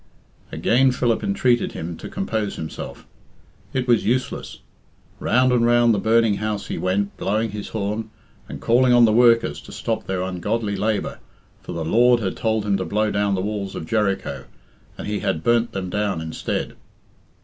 Again Philip entreated him to compose himself. It was useless. Round and round the burning house he went, blowing his horn, and calling on the workers to stop their ungodly labour, for the Lord had told him to blow down the walls of Jericho, and he had burnt them down instead.